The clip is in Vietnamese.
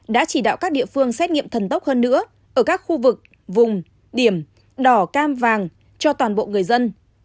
đã chỉ đạo các địa phương xét nghiệm thần tốc hơn nữa ở các khu vực vùng điểm đỏ cam vàng cho toàn bộ người dân